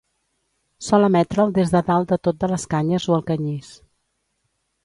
Sol emetre'l des de dalt de tot de les canyes o el canyís.